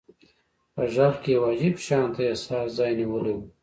په غږ کې يې يو عجيب شانته احساس ځای نيولی و.